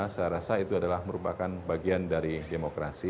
saya rasa itu adalah merupakan bagian dari demokrasi